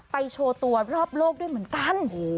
โชว์ตัวรอบโลกด้วยเหมือนกัน